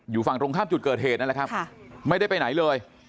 อยู่ฝั่งตรงข้ามจุดเกิดเหตุนั่นแหละครับไม่ได้ไปไหนเลย